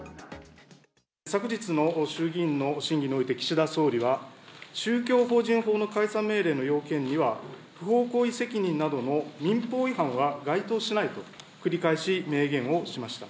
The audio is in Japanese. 昨日の衆議院の審議において岸田総理は、宗教法人法の解散命令の要件には、不法行為責任などの民放違反は該当しないと、繰り返し明言をしました。